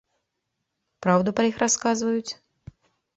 Праўду пра іх расказваюць?